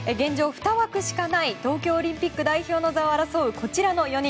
２枠しかない東京オリンピック代表の座を争うこちらの４人。